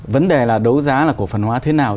vấn đề là đấu giá là cổ phần hóa thế nào